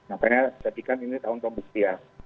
makanya jadikan ini tahun pembuktian